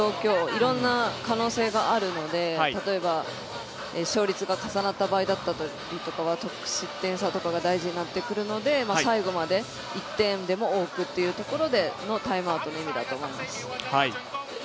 いろんな可能性があるので例えば勝率が重なった場合だったりとかは得失点差とかが大事になってくるので、最後まで１点でも多くっていうところでのタイムアウトの意味だと思います。